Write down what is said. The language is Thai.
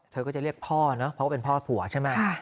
เธอก็จะเรียกพ่อเนอะเพราะว่าเป็นพ่อผัวใช่ไหม